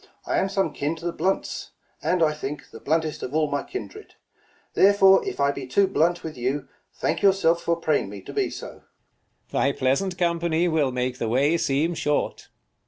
I am some kin to the Blunts, and, I think, the bluntest of all my kindred ; therefore if I be too blunt with you, thank your self for praying me to be so. 47 King. Thy pleasant company will make the way seem short.